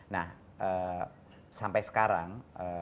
nah sampai sekarang